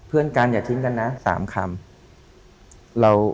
เพื่อนกันอย่าทิ้งกันนะ๓คำ